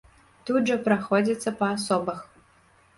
Тут жа праходзяцца па асобах.